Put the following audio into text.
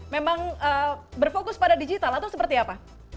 memang berfokus pada digital atau seperti apa